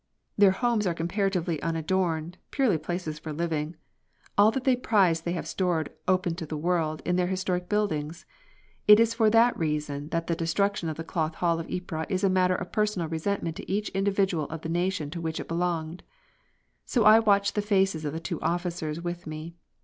Their homes are comparatively unadorned, purely places for living. All that they prize they have stored, open to the world, in their historic buildings. It is for that reason that the destruction of the Cloth Hall of Ypres is a matter of personal resentment to each individual of the nation to which it belonged. So I watched the faces of the two officers with me.